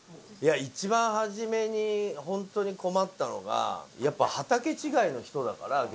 一番初めにホントに困ったのがやっぱ畑違いの人だから。